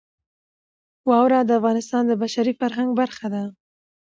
واوره د افغانستان د بشري فرهنګ برخه ده.